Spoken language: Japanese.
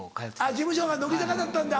事務所が乃木坂だったんだ。